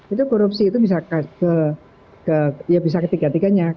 itu korupsi itu bisa ketiga tiganya